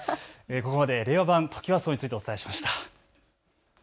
ここまで令和版トキワ荘についてお伝えしました。